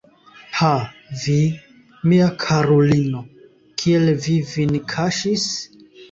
Ha, vi, mia karulino, kiel vi vin kaŝis?